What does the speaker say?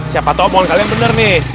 siapa tau mohon kalian bener nih